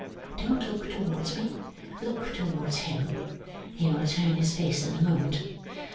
Don't look towards me; look towards him. He will turn his face in a moment.